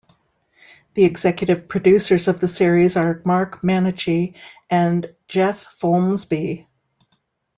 The executive producers of the series are Mark Mannucci and Jeff Folmsbee.